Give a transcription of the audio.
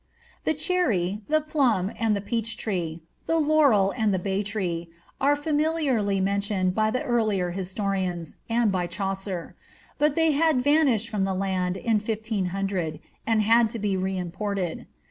The cherry, the plom, and the peach tree, the laurel, and the bay tree, are familiarly men tioned by the earlier historians, and by Chaucer ; but they had vanished from the land in 1500, and had to be re imported.